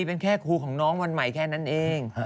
เป็นแค่ครูของน้องวันใหม่แค่นั้นเอง